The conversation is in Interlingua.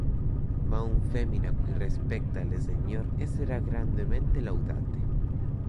Ma un femina qui respecta le Senior essera grandemente laudate.